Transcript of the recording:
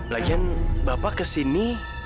lagian bapak ke sini